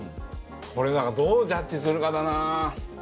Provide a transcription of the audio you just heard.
これだからどうジャッジするかだな。